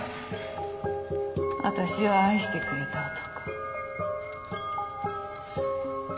私を愛してくれた男。